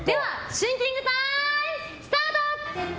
シンキングタイムスタート！